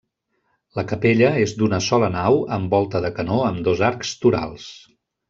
La capella és d'una sola nau amb volta de canó amb dos arcs torals.